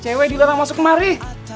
cewek di luar langsung kemari